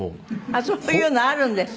あっそういうのあるんですか？